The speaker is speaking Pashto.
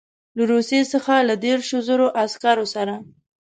له روسیې څخه له دېرشو زرو عسکرو سره.